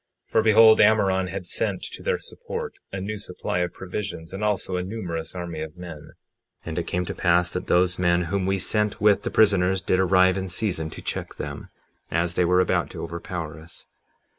For behold, Ammoron had sent to their support a new supply of provisions and also a numerous army of men. 57:18 And it came to pass that those men whom we sent with the prisoners did arrive in season to check them, as they were about to overpower us.